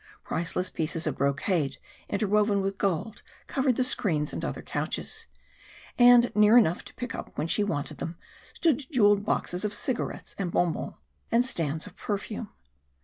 Priceless pieces of brocade interwoven with gold covered the screens and other couches; and, near enough to pick up when she wanted them, stood jewelled boxes of cigarettes and bonbons, and stands of perfume.